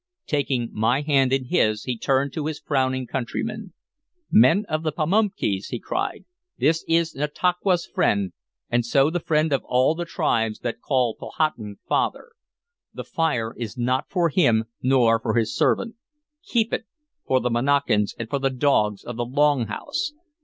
Taking my hand in his he turned to his frowning countrymen. "Men of the Pamunkeys!" he cried. "This is Nantauquas' friend, and so the friend of all the tribes that called Powhatan 'father.' The fire is not for him nor for his servant; keep it for the Monacans and for the dogs of the Long House!